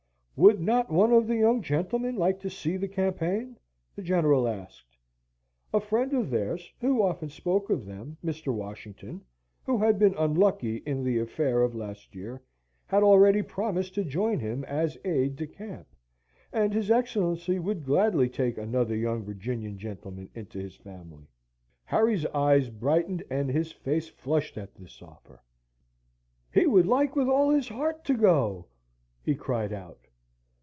"Would not one of the young gentlemen like to see the campaign?" the General asked. "A friend of theirs, who often spoke of them Mr. Washington, who had been unlucky in the affair of last year had already promised to join him as aide de camp, and his Excellency would gladly take another young Virginian gentleman into his family." Harry's eyes brightened and his face flushed at this offer. "He would like with all his heart to go!" he cried out.